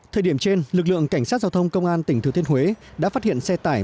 thời điểm trên lực lượng cảnh sát giao thông công an tỉnh thừa thiên huế đã phát hiện xe tải